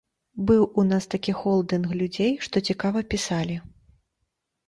Быў у нас такі холдынг людзей, што цікава пісалі.